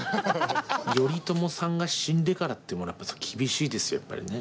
頼朝さんが死んでからっていうものは厳しいですよやっぱりね。